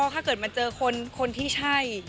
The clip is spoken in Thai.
ถ้าเกิดมาเจอคนที่ใช่